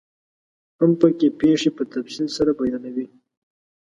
هم پکې پيښې په تفصیل سره بیانیږي.